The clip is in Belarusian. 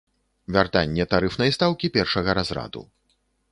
Вяртанне тарыфнай стаўкі першага разраду.